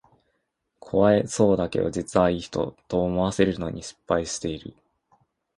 怖そうだけど実はいい人、と思わせるのに失敗してる